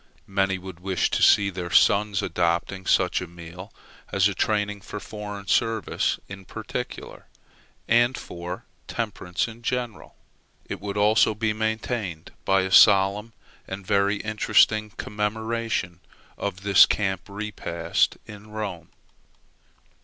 Many would wish to see their sons adopting such a meal as a training for foreign service in particular, and for temperance in general. It would also be maintained by a solemn and very interesting commemoration of this camp repast in Rome.